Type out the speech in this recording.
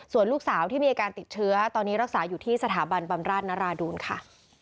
ส่วนลูกสาวที่มีอาการติดเชื้อตอนนี้รักษาอยู่ที่สถาบันบำราชนราดูลค่ะ